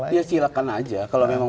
lain ya silakan aja kalau memang mau